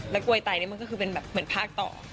กลวยไตนี่มันก็คือเป็นแบบเหมือนภาคต่อ